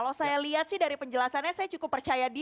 kalau saya lihat sih dari penjelasannya saya cukup percaya diri